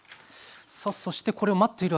さあそしてこれを待っている間に？